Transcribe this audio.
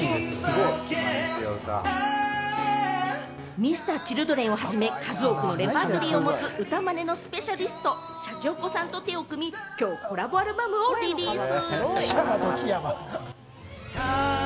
Ｍｒ．Ｃｈｉｌｄｒｅｎをはじめ、数多くのレパートリーを持つ歌まねのスペシャリスト、シャチホコさんと手を組み、今日、コラボアルバムをリリース。